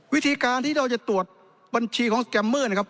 วิธีการที่เราจะตรวจบัญชีของสแกมเมอร์นะครับ